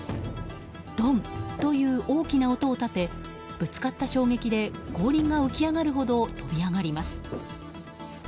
ドンという大きな音を立てぶつかった衝撃で後輪が浮き上がるほど飛び上がります。